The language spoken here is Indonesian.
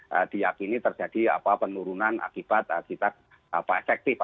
jadi diakini terjadi penurunan akibat kita efektif